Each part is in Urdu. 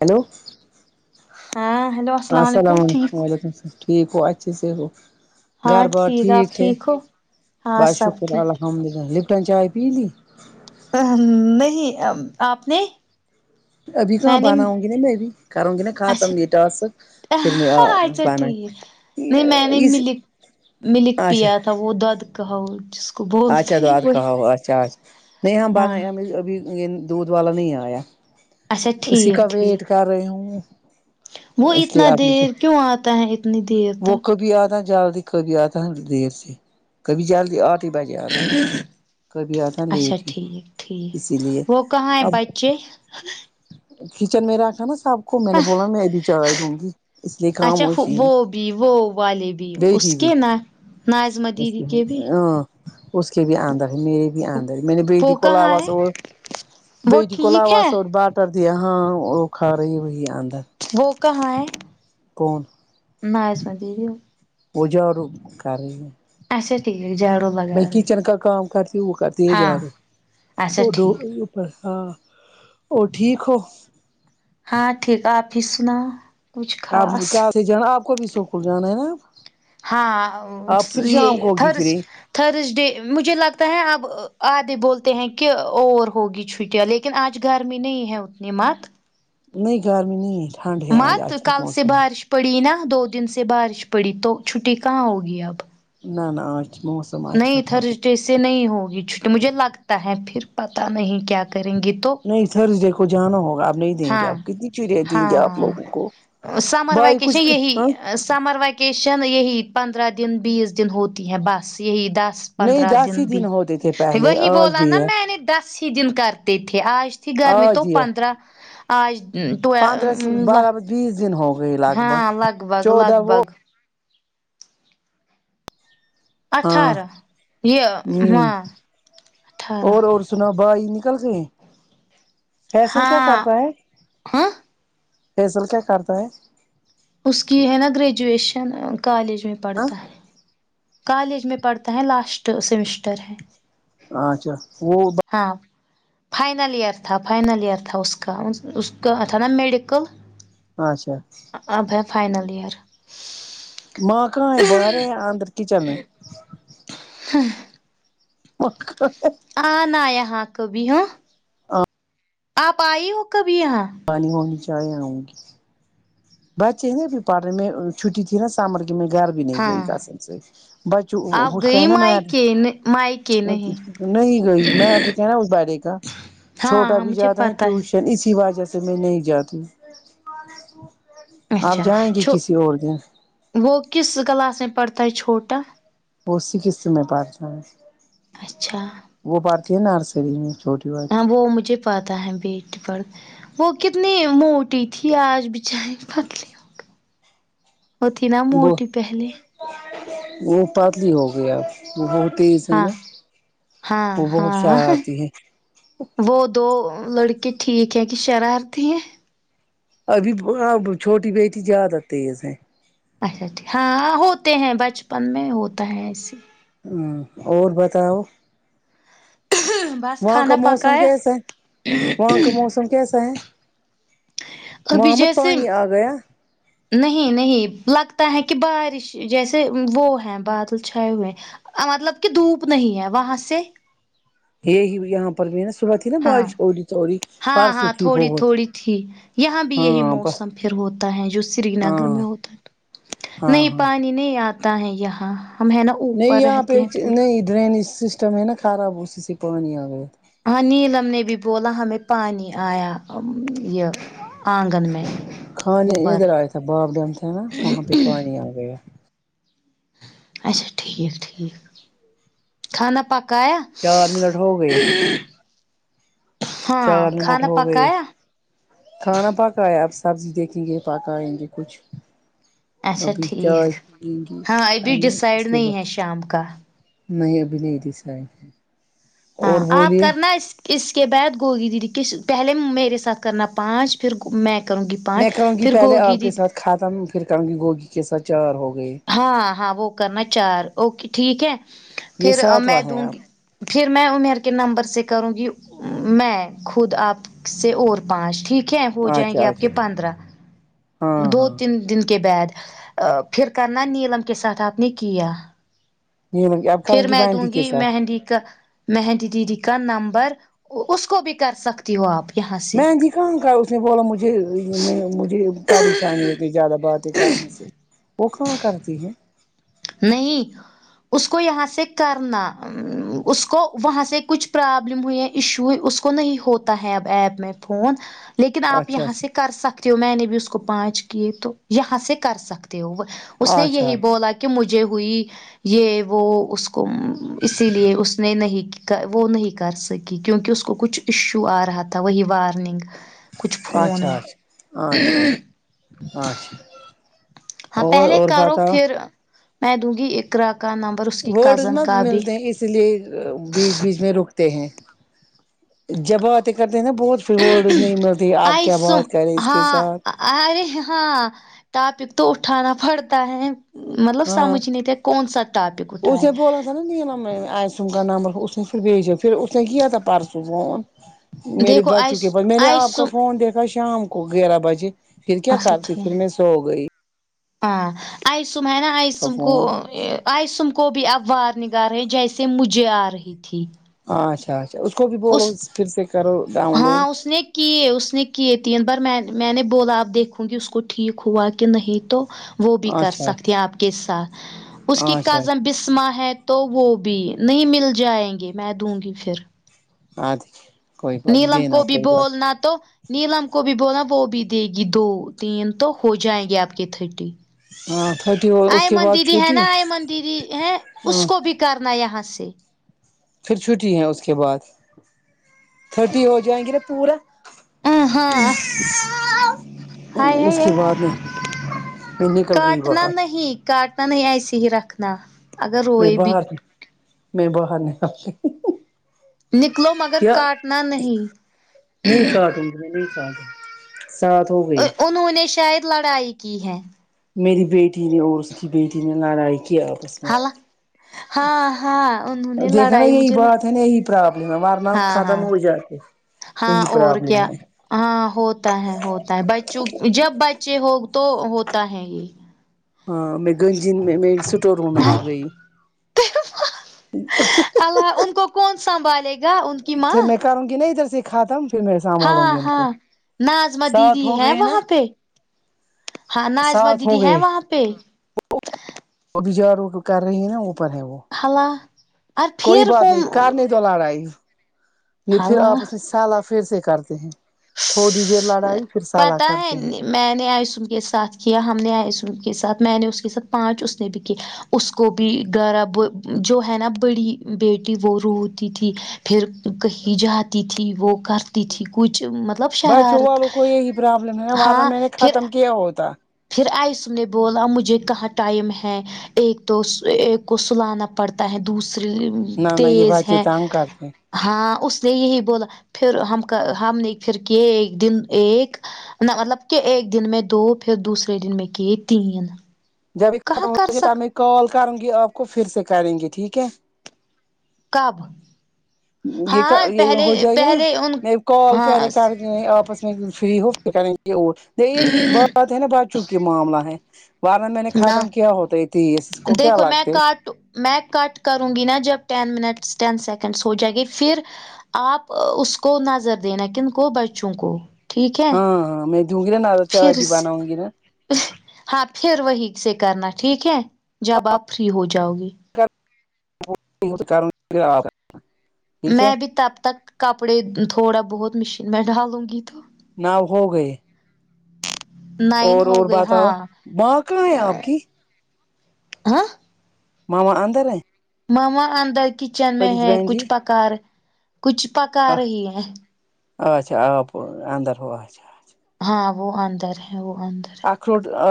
ہیلو ہاں ہیلو علیکم السلام ٹھیک وعلیکم سلام ٹھیک ہو اچھا سے ہو ہاں گھر بار ٹھیک آپ ہے ہو ہاں بس سب شکر ٹھیک الحمد للہ لپٹن چائےپیلی ہممم نہیں آپ نے ابھی کہاں میں نے بنا آؤں گی نہ میں بھی کراوں گی نہ ختم یہ اچھا ٹاسک پھر آ اچھا بن ٹھیک نہیں میں نے ملک ملک پیا تھا وہ دد کہا جس کو اچھا بولتے ہیں دعوت وہ کہا اچھا نہیں ہم ہاں ابھی یہ دودھ والا نہیں آیا اچھا اسی کا ٹھیک ویٹ ٹھیک کر رہی ہوں وہ اس لیے اتنا آپ لیجیے دیر کیوں آتا ہے اتنی دیر وہ تک کو بھی اناجلدی کبھی آتا ہے دیر سے کبھی جلدی آٹھ ہی بجے آتا ہے کبھی آتا اچھا لیٹ ہی ٹھیک اسی لیے ٹھیک وہ کہا ہے اب بچہ کچن میں رکھا نہ سب میں نے بولا میں ابھی چاے دوں گی اس لیے کام اچھا خاموشی وہ بھی وہ والے اس بیٹی بھی کے نہ اس کے بھی آند ہے میرے بھی آند ہے میری وہ بیٹی کو بولا کہاں ہے مسور وہ ٹھیک ہے بٹر دیا ہاں وہ کھا رہی وہی اندر وہ کہاں ہے کون ما اس ٹینیریو وہ جب روک کر رہی اچھا ٹھیک رک جرو میں کچن کا کام کرتی ہوں وہ کرتی ہے ہاں جار اچھا وہ ٹھیک بس ہاں اور ٹھیک ہو ہاں ٹھیک ہے آپ ہی سناؤ کچھ آپ خاص کہاں سے جانا آپ کو بھی سکول جانا ہے نا ہاں آپ پھر یہ شام کو ہوگی تھراس فری ترسڑے مجھے لگتا ہے اب آدے بولتے ہیں کہ اور ہوگی چھٹیاں لیکن لیکن آج گرمی نہیں ہے اتنی مت نہیں گرمی نہیں ٹھنڈ ہے آج مت کے کل سے موسم بارش پڑی نہ دو دن سے بارش پڑی تو چھٹی کہاں ہوگی اب نہ نہ آج موسم اچھا نہیں تھا وہ ترسڑے سے نہیں ہوگی مجھے لگتا ہے پھر پتا نہیں کیا کریں گی تو نہیں تھرس ڈے کو جانا ہوگا اور اب نے دیں گے ہاں آپ کتنی چڑیا دیں گے آپ ہاں لوگوں کو سمر بھائی ویکیشن کچھ ہاں یہی سمر ویکیشن یہی پندرہ دن بیس دن ہوتی ہیں بس یہی دس نہیں پندرہ دس دن ہی بھی ہوتے تھے پہلے وہی آج بولا نا دیا میں نے دس اسی دن کرتے تھے آج تھی گرمی آج تو دیا پندرہ آج پندرہ سے ٹول بارہ بیس دن ہو گئی لگ بھگ بھگ چودہ لگ وہ بھگ ہاں اٹھارہ یہ ہوں ہاں اٹھارہ اور اور سناو بھائی نکل گئے فیصل کیا ہاں کرتا ہے ہاں فیصل کیا کرتا ہے اس کی ہے نا گریجویشن کالج میں ہاں پڑھتا ہے کالج میں پڑھتا ہے لاسٹ سیمسٹر ہے اچھا وہ ہاں فائنل ایئر تھا فائنل ایئر تھا اس کا اس کا تھا نا میڈیکل اچھا اب ہے فائنل ایئر ماں کہاں ہے باہر ہے یا اندر کچن مے ہوں ہ ہ ہ آ ناں یہاں کبھی ہوں آ آپ آئی ہو کبھی یہاں پانی ونی چائے آؤنگی بچے نی ابھی پڑرے میں چھٹی تھی نا سمر کے میں گھر بھی نہیں ہاں گئی قسم سے بچے آپ اس کا گئی ہے نا میں مائکے مائکے نہیں نہیں گئی میٹر کہ نا اس بارے کا ہاں چھوٹا ہاں بھی مجھے جاتا ہے پتا ٹیوشن اسی وجہ سے پھر میں نہیں جاتی [inaudible] اچھا جائیں گے چھو کسی اور دن وہ کس کلاس میں پڑتا ہے چھوٹا وہی قسے میں پارتا اچھا وہ پارتی ہے نر آرسری میں چھوٹی والی ہاں وہ مجھے پاتا ہے بیٹی پڑھ وہ کتنی موٹی تھی آج بچاری پتلی ہوگی وہ تھی نا وہ موٹی پہلے وہ پاتلی ہوگی اب وہ بہت تیز ہے ہاں نا ہاں وہ بہت ہاں شرارتی ہے وہ دو لڑکے ٹھیک ہے کہ شرارتی ہیں ابھی ا بوا چھوٹی بیٹی زیادہ تیز ہے اچھا ٹھیک ہاں ہوتے ہیں بچپن میں ہوتا ہے ایسے ہوں اور بتاؤ بس وہاں کا کھانا موسم پکایا کیسا ہے وہاں کا موسم کیسا ہے ابھی وہاں مت جیسے پانی آ گیا نہیں نہیں لگتا ہے کہ بارش جیسے وہ ہیں بادل چھائے ہوئے مطلب کہ دھوپ نہیں ہے وہاں سے یہ ہی یہاں پر یہا صبح تھی نا ہاں بارش ٹھوڈی تھوڑی ہاں پرسوں ہاں تھی تھوڑی بہت تھوڑی تھی یہاں بھی یہی ہاں موسم پھر ہوتا ہے جو سری نگر ہاں میں ہوتا ہے ہاں نہیں ہاں پانی نہیں آتا ہے یہاں ہم ہے نا نہیں اوپر یہاں پہ رہتے ہیں تھوڑا نہیں ڈرینیج سسٹم ہے نا خراب اسی سے پانی آ گیا تھا ہاں نیلم نے بھی بولا ہمیں پانی آیا یہ آنگن میں کھانے اوپر ادھر ایا تھا بروبلم تھا نا وہاں پے پانی اگیا اچھا ٹھیک ٹھیک کھانا پکایا چار منٹ ہو گئے ہاں چار منٹ کھانا ہو گئے پکایا کھانا پکایا اب سبزی دیکھیں گے پکائیں گے کچھ اچھا ابھی چائے ٹھیک پینگی ہاں ابھی پہلے اس ڈسائڈ کے نہیں بعد ہے شام کا نہیں ابھی نہی دیسرا ہے ہاں آپ کرنا اس اس کے بعد گوگری دیدی کس پہلے میرے ساتھ کرنا پانچ پھر میں کروں گی پانچ پھر گوگی کی کھاتم پھر کہوں گی گوگی کے ساتھ چار ہو گئی ہاں ہاں وہ کرنا چار اوکے ٹھیک ہے یہ پھر میں ساتواں ہیں دوں گی آپ پھر میں عمیر کے نمبر سے کروں گی میں خود آپ سے اور پانچ ٹھیک ہے ہو جائیں اچھا گے آپ اچھا کے پندرہ ہاں دو ہاں تین دن کے بعد پھر کرنا نیلم کے ساتھ آپ نے کیا [unintelligible] پھر میں دوں کے گی ساتھ مہندی کا مہندی دیدی کا نمبر اس کو بھی کر سک تی ہو آپ یہاں سے مہندی کہاں کا اس نے بولا مجھے میں مجھے پریشانی ہوتی زیادہ باتیں کرنے سے وہ کہاں کرتی ہے نہیں اس کو یہاں سے کرنا امم اس کو وہاں سے کچھ پرابلم ہوئی ہے ایشو ہوئی اس کو نہیں ہوتا ہے اب ایپ میں فون لیکن آپ اچھا یہاں سے کر سکتے ہو میں نے بھی اس کو پانچ کیے تو یہاں سے کر سکتے ہو وہ اس اچھا نے اچھا یہی بولا کہ مجھے ہوئی یہ وہ اس کو اسی لیے اس نے نہیں کی وہ نہیں کر سک کیونکہ اس کو کچھ ایشو آ رہا تھا وہی وارننگ کچھ فون میں اچھا اچھا اچھا آچھا اچھا ہاں اور پہلے اور کرو بتاؤ پھر میں دوں گی ایکرا کا نم وڈز مت ملتے ہیں اس لیے بیچ بیچ میں رک تے ہیں جب آتے کرتے ہیں نا بہت پھر وڈز نہیں ملتی آپ آئی کیا سم بات کریں اس کے ہاں ساتھ ارے ہاں ٹاپک تو اٹھانا پڑتا ہے مطلب ہاں سمجھ نہیں تھے کون سا ٹاپک اس اٹھائے نے بولا نا نا عائشہ کا نمبر اس نے پھر بھیجا پھر اس نے کیا تھا پرسوں فون میرے دیکھو بچوں آئیس کے پاس میں نے آپ کا آئیسم فون دیکھا شام کو گیارہ بجے پھر کیا اچھا کرتی پھر میں ٹھیک سو گئی ہاں آئسوم ہے نا اس کا آئسوم کو فون یہ آئسوم کو بھی اب وار نگار رہے جیسے مجھے آ رہی تھی ہاں اچھا اچھا اس کو بھی بولو اس پھر سے کرو ڈاؤن لوڈ ہاں اس نے کیے اس نے کیے تین بار میں میں نے بولا آپ دیکھوں گی اس کو ٹھیک ہوا کہ نہیں تو وہ بھی کر اچھا سکتے ہیں آپ کے ساتھ اس اچھا کی اچھا کاظم بسماں ہے تو وہ بھی نہیں مل جائیں گے میں دوں گی پھر ہاں ٹھیک ہے نیلم کو بھی بولنا تو نیلم کو بھی بولا وہ بھی دے گی دو تین تو ہو جائیں گے آپ کی تھرٹی ہاں تھرٹی ہو اس کے ایمن بعد دیدی ہے چھٹی نا ایمن دیدی ہے اس ہاں کو بھی کرنا یہاں سے پھر چھٹی ہے اس کے بعد تھرٹی ہو جائیں گے نا پورا ہاں ہاں ہائے اس ہائے کے ہائے، بعد میں پھر نکل گئی کاٹنا باہر نہیں کاٹنا نہیں ایسے ہی رکھنا اگر میں روئے بھی باہر نہیں میں باہر نہیں اتی نکلو مگر کاٹنا نہیں میں نہیں تھا ساتھ ہوگا انہوں نے شاید لڑائی کی ہے میری بیٹی نے اور اس کی بیٹی نے لڑائی کی آپس میں خال ہاں ہاں انوں نے دیکھا نا لڑائی یہی مجھے [unintelligible] بات ہے نا یہی پرابلم ہے ورنہ ہاں ہاں ختم ہو جاتے ہاں یہی اور پرابلم کیا ہے ہاں ہوتا ہے ہوتا ہے بچوں جب بچے ہوگ تو ہوتا ہے یہ ہاں میں گی دن میں اسٹور روم میں نہیں گئی اللہ ان کو کون سنبھالے گا ان کی ماں کرونگی نا ادھر سے ختم پھر میں سنبھالوں ہاں گی ان ہاں کو ناظمہ سات دیدی ہو ہے گئے نا وہاں پہ ہاں ناظمہ دیدی ہیں وہاں پہ جو کر رہی ہے نا اوپر ہے وہ ہیلو آپ کوئی بات پھرفون نہیں کرنے لڑائی یہ پھر آپس میں سلا پھر سے کرتے ہیں تھوڑی دیر لڑائی پھر سالہ پتا کرتے ہیں ہے میں نے آئسم کے ساتھ کیا ہم نے آئسم کے ساتھ میں نے اس کے ساتھ پانچ اس نے بھی کیا اس کو بھی غرب جو ہے نا بڑی بیٹی وہ روتی تھی پھر کہیں جاتی تھی وہ کرتی تھی کچھ مطلب بچوں شرارت والوں کو یہی پربلم ہے ورنہ ہاں میں نے پھر ختم کیا ہوتا پھر آئس نے بولا مجھے کہاں ٹائم ہے ایک تو ایک کو سلانا پڑتا ہے دوسرے نہ نہ یہ باجی تانگ کرتے ہاں اس نے یہی بولا پھر ہم کا ہم نے پھر کہ ایک دن ایک نہ مطلب کہ ایک دن میں دو پھر دوسرے دن میں کی تین جبھی کہاں ختم کر ہوگی اب سک میں کال کروں گی آپ کو پھر سے کریں گی ٹھیک ہے کب یہ کا ہاں یہ پہلے ہو جائے گا نا پہلے ان میں کل ہاں پہلےکرونگی ایپس میں تم فری ہوفر کریںگے اور دیر بات نا بچوں کی معاملہ ہے ورنہ میں نے نہ ختم کیا ہوتا ہے ٹاسک اس کو کیا دیکھو میں لگتے کاٹ میں کٹ کروں گی نا جب ٹین منٹس ٹین سیکنڈس ہو جائےیں گی پھر آپ اس کو نظر دینا کن کو بچوں کو ہاں ہاں میں دوں گی نا چائے بھی پھرسے بناؤں گی نا ہاں پھر وہی سے کرنا ٹھیک ہے جب آپ فری ہو جاؤ گی [unintelligible] ٹھیک ہے میں بھی تب تک کپڑے تھوڑا بہت مشین میں ڈالوں گی تو نؤ ہوگے نائن ہو گئی بتاؤ ہاں ماں کہاں ہے آپ کی ہاں ماما اندار ہے ماما اندر کچن میں فرید ہے بہن جی کچھ پکا رہ کچھ پکا رہی ہے اچھا آپ اندر ہو اچھا اچھا ہاں وہ اندر ہے وہ اندر ہے اخروٹ ا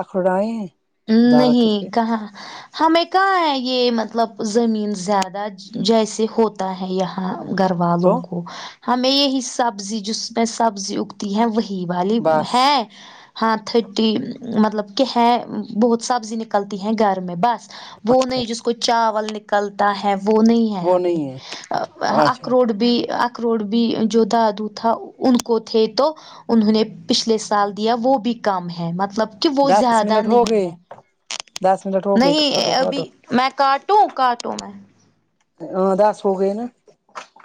آخروٹ آیں ہیں درخت پہ نہیں کہاں ہمیں کہاں ہے یہ مطلب زمین زیادہ جیسے ہوتا ہے یہ گھر والوں تو کو ہمیں یہی سبزی جس میں سبزی اگتی ہے وہی یہوالی بس ہے ہاں تھرٹی مطلب کہ ہے بہت سبزی نکلتی ہیں گھر میں بس وہ نہیں ج کو چاول نکلتا ہے وہ نہیں ہے وہ نہیں ہے ہمیں اخ اچھا روڈ بھی اکروڑ بھی جوتا دوتھا ان کو تھے تو انہوں نے پچھلے سال دیا وہ بھی کم ہے مطلب کہ وہ دس زیادہ منٹ ہو نہیں گئے ہے دس منٹ ہوگئی کٹو نہیں کٹو ابھی میں کاٹوں کاٹوں میں ہاں دس ہو گئے نا